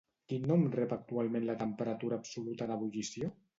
Quin nom rep actualment la temperatura absoluta d'ebullició?